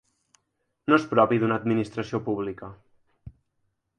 No es propi d’una administració publica.